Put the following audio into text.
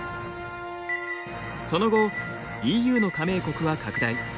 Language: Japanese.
その後ＥＵの加盟国は拡大。